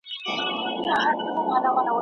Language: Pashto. نوي نظریات د تدریس لاري بدلوي.